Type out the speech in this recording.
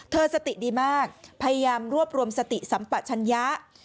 สติดีมากพยายามรวบรวมสติสัมปัชญะ